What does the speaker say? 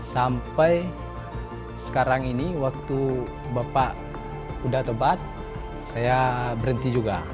sampai sekarang ini waktu bapak udah tebat saya berhenti juga